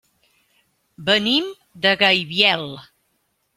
Venim de Gaibiel.